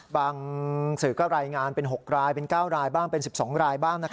สื่อก็รายงานเป็น๖รายเป็น๙รายบ้างเป็น๑๒รายบ้าง